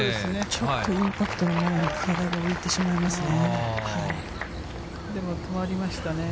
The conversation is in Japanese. ちょっとインパクトの前に、体が浮いてしまいますね。